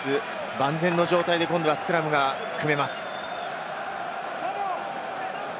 万全の状態で今度はスクラムが組めます。